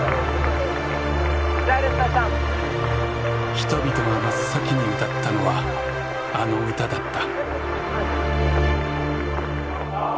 人々が真っ先に歌ったのは「あの歌」だった。